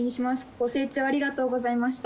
ご清聴ありがとうございました。